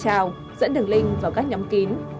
nhiều tin nhắn mời chào dẫn đường link vào các nhóm kín